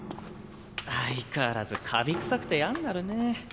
相変わらずカビ臭くてやんなるね。